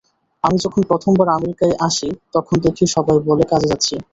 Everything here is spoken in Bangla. আমি যখন প্রথমবার আমেরিকায় আসি তখন দেখি সবাই বলে কাজে যাচ্ছি।